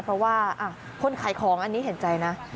เพราะว่าคนขายของอันนี้เห็นใจนะ